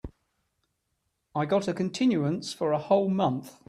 I got a continuance for a whole month.